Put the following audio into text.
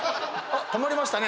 止まりましたね。